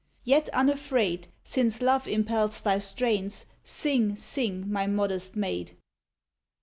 Yet unfraid, Since love impels thy strains, sing, sing, my modest maid.